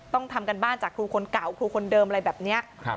ต้องทำการบ้านจากครูคนเก่าครูคนเดิมอะไรแบบนี้